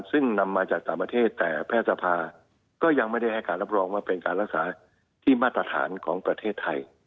ซึ่งนำมาจากต่างประเทศแต่แพทย์สภาก็ยังไม่ได้ให้การรับรองว่าเป็นการรักษาที่มาตรฐานของประเทศไทย